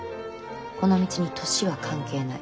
この道に年は関係ない。